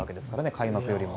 開幕よりも。